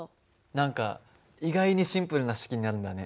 何か意外にシンプルな式になるんだね。